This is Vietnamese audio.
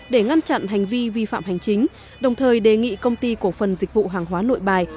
để ngăn chặn hành vi vi phạm hành chính đồng thời đề nghị công ty cổ phần dịch vụ hàng hóa nội bài